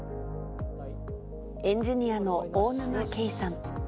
エンジニアの大沼慶さん。